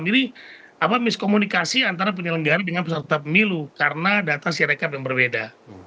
jadi miskomunikasi antara penyelenggara dengan peserta pemilu karena data sirekap yang berbeda